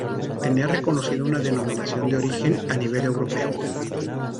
Tiene reconocida una denominación de origen a nivel europeo.